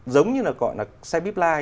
giống như là gọi là xe bíp lai